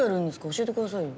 教えてくださいよ。